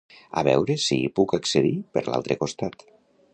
A veure si hi puc accedir per l'altre costat